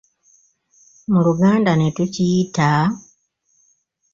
Mu Luganda ne tukiyita?